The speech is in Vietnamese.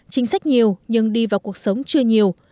chính sách nhiều nhưng đi vào cuộc sống chưa nhiều